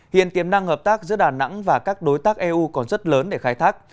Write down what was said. hiện tiềm năng hợp tác giữa đà nẵng và các đối tác eu còn rất lớn để khai thác